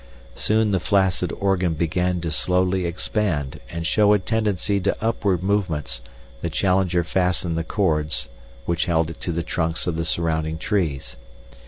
Soon the flaccid organ began to slowly expand and show such a tendency to upward movements that Challenger fastened the cords which held it to the trunks of the surrounding trees.